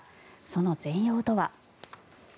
その全容とは。